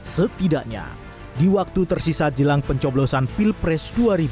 setidaknya di waktu tersisa jelang pencoblosan pilpres dua ribu dua puluh